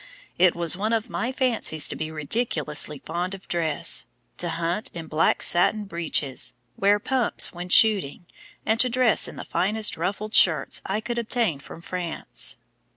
It was one of my fancies to be ridiculously fond of dress; to hunt in black satin breeches, wear pumps when shooting, and to dress in the finest ruffled shirts I could obtain from France."